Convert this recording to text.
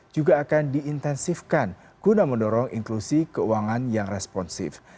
juga akan diintensifkan guna mendorong inklusi keuangan yang responsif